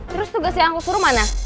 terus tugas yang aku suruh mana